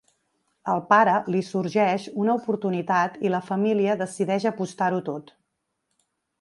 Al pare li sorgeix una oportunitat i la família decideix apostar-ho tot.